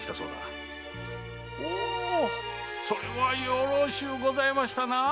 おおそれはよろしゅうございましたなあ。